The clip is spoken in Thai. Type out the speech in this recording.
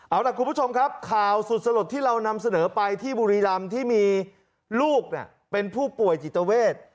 เอาล่ะคุณผู้ชมครับข่าวสุดสลดที่เรานำเสนอไปที่บุรีรำที่มีลูกเป็นผู้ป่วยจิตเวท